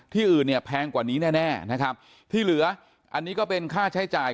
อื่นเนี่ยแพงกว่านี้แน่นะครับที่เหลืออันนี้ก็เป็นค่าใช้จ่าย